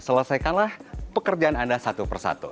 selesaikanlah pekerjaan anda satu persatu